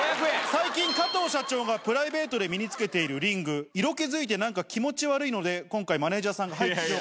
最近加藤社長がプライベートで身につけているリング、色気づいて、なんか気持ち悪いので、今回、マネージャーさんから。